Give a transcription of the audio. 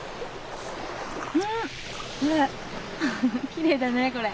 きれいだねこれ。